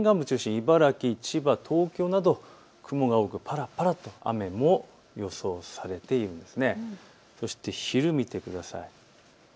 ですから沿岸部中心に茨城、千葉、東京など雲など雨もぱらぱらと雨なども予想されているんです。